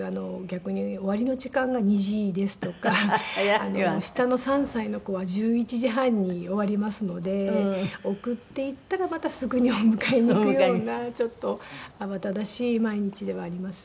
逆に終わりの時間が２時ですとか下の３歳の子は１１時半に終わりますので送って行ったらまたすぐにお迎えに行くようなちょっと慌ただしい毎日ではあります。